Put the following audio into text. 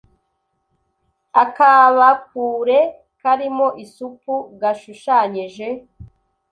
Akabakure karimo isupu gashushanyije